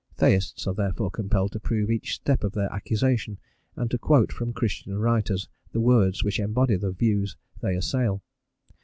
Theists are therefore compelled to prove each step of their accusation, and to quote from Christian writers the words which embody the views they assail.